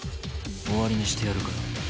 終わりにしてやるから。